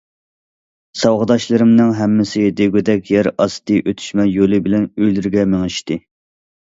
ساۋاقداشلىرىمنىڭ ھەممىسى دېگۈدەك يەر ئاستى ئۆتۈشمە يولى بىلەن ئۆيلىرىگە مېڭىشتى.